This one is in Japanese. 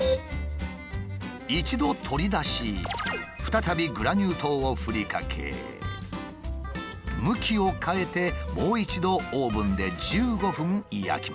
一度取り出し再びグラニュー糖をふりかけ向きを変えてもう一度オーブンで１５分焼きます。